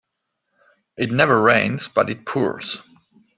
It never rains but it pours